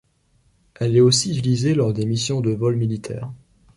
Elle est aussi utilisée lors des missions de vols militaires.